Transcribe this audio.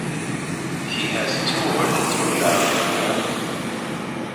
He has toured throughout the world.